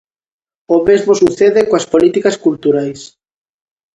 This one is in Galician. O mesmo sucede coas políticas culturais.